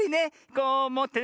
こうもってね